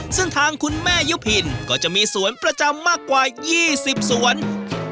ซึ่งทางคุณแม่ยุพินก็จะมีสวนประจำมากกว่า๒๐สวน